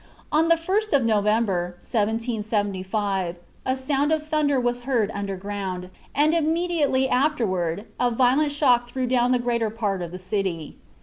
On the 1st of November, 1775, a sound of thunder was heard underground, and immediately afterward a violent shock threw down the greater part of the city.